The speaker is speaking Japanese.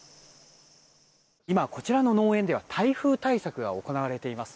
今、こちらの農園では台風対策が行われています。